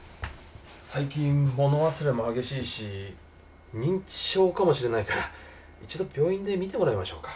最近物忘れも激しいし認知症かもしれないから一度病院で診てもらいましょうか。